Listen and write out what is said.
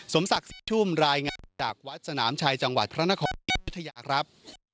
สมศักดิ์สิทธิ์ทุ่มรายงานจากวัดสนามชายจังหวัดพระนครศรียุฒิญาณครับ